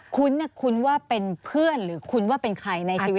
คุ้นคุ้นว่าเป็นเพื่อนหรือคุ้นว่าเป็นใครในชีวิต